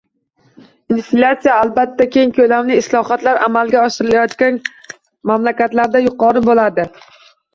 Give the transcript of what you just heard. Inflyatsiya, albatta, keng ko'lamli islohotlar amalga oshirilayotgan mamlakatlarda yuqori bo'ladi